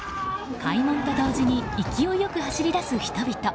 開門と同時に勢いよく走りだす人々。